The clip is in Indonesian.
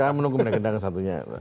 kita menunggu mereka datang satunya